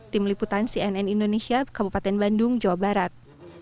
tim liputan cnn indonesia kabupaten bandung jawa barat